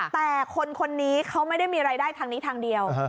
แต่คนคนนี้เขาไม่ได้มีรายได้ทางนี้ทางเดียว